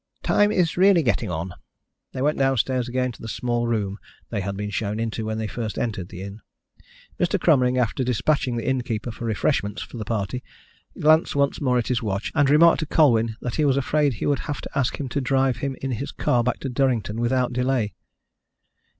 "Time is really getting on." They went downstairs again to the small room they had been shown into when they first entered the inn, Mr. Cromering after despatching the innkeeper for refreshments for the party glanced once more at his watch, and remarked to Colwyn that he was afraid he would have to ask him to drive him in his car back to Durrington without delay.